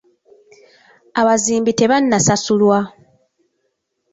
Abazimbi tebannasasulwa.